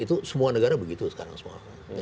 itu semua negara begitu sekarang semua